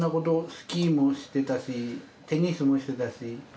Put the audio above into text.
スキーもしてたしテニスもしてたし。